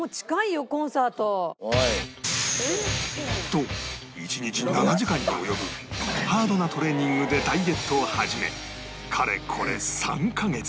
と１日７時間に及ぶハードなトレーニングでダイエットを始めかれこれ３カ月